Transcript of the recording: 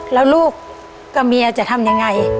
แล้วลูกกับเมียจะทำยังไง